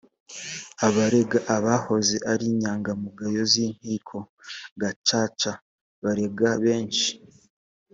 abarega abahoze ari inyangamugayo z inkiko gacaca barega kenshi